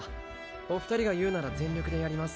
お二人が言うなら全力でやります。